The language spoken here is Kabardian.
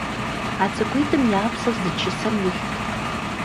А цӏыкӏуитӏым я псэр зы чысэм илът.